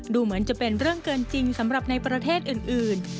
ดูเหมือนจะเป็นเรื่องเกินจริงสำหรับในประเทศอื่น